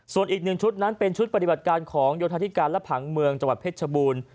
ส่วนอีกหนึ่งชุดนั้นเป็นชุดปฏิบัติการของโยธาธิการและผังเมืองจังหวัดเพชรชบูรณ์